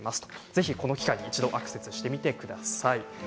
ぜひこの機会にアクセスしてみてください。